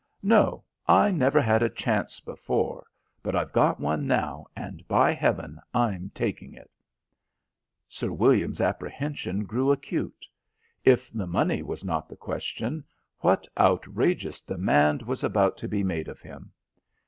"No, I never had a chance before, but I've got one now, and, by heaven, I'm taking it." Sir William's apprehension grew acute; if money was not the question, what outrageous demand was about to be made of him?